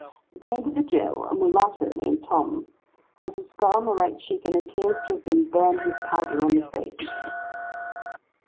'Detained at the jail, a mulatto, named Tom. Has a scar on the right cheek, and appears to have been burned with powder on the face.